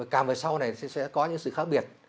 càng về sau này sẽ có những sự khác biệt